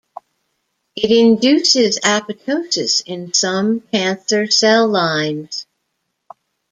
It induces apoptosis in some cancer cell lines.